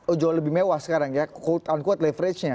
oh jauh lebih mewah sekarang ya quote unquote leverage nya